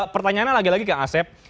pertanyaannya lagi lagi kak asep